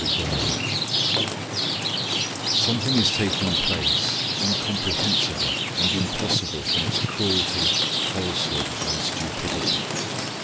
II Something is taking place incomprehensible and impossible in its cruelty, falsehood, and stupidity.